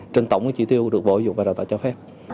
trên tổng cái chỉ tiêu được bổ dụng và đào tạo cho phép